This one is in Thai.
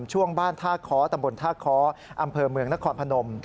ช่วงบ้านท่าค้อตำบลท่าค้ออำเภอเมืองนครพนม